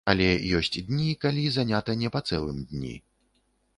Але ёсць дні, калі занята не па цэлым дні.